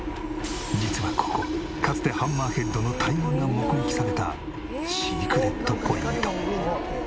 実はここかつてハンマーヘッドの大群が目撃されたシークレットポイント。